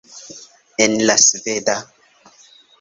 En la sveda.